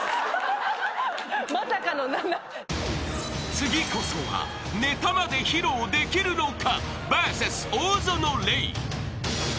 ［次こそはネタまで披露できるのか］